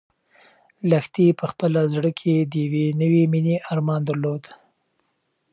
لښتې په خپل زړه کې د یوې نوې مېنې ارمان درلود.